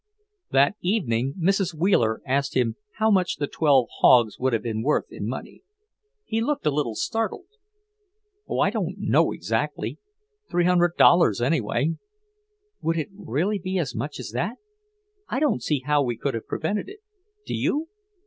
That evening Mrs. Wheeler asked him how much the twelve hogs would have been worth in money. He looked a little startled. "Oh, I don't know exactly; three hundred dollars, anyway." "Would it really be as much as that? I don't see how we could have prevented it, do you?"